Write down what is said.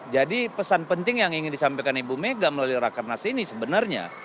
jadi pesan penting yang ingin disampaikan ibu mega melalui rakan nas ini sebenarnya